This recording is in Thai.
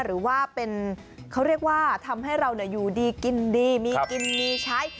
หรือว่าเป็นเขาเรียกว่าทำให้เราอยู่ดีกินดีมีกินมีใช้